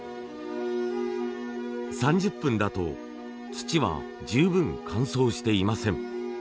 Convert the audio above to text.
３０分だと土は十分乾燥していません。